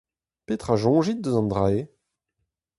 Petra 'soñjit eus an dra-se ?